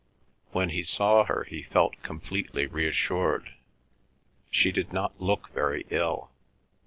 When he saw her he felt completely reassured. She did not look very ill.